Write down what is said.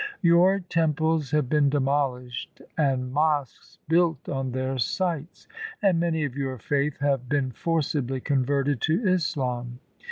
Your temples have been demolished and mosques built on their sites ; and many of your faith have been forcibly converted to Islam.